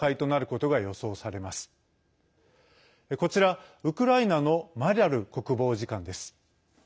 こちら、ウクライナのマリャル国防次官です。